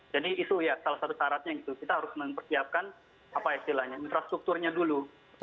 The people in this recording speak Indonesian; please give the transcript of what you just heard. jadi itu salah satu syaratnya kita harus mempersiapkan infrastrukturnya dulu